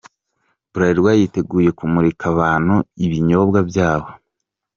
Bralirwa yiteguye kumurikira abantu ibinyobwa byayo.